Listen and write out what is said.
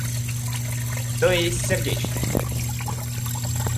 То есть, сердечные?